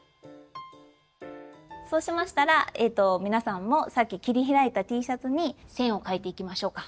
そうしましたらえと皆さんもさっき切り開いたＴシャツに線を書いていきましょうか。